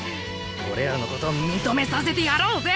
俺らのこと認めさせてやろうぜ！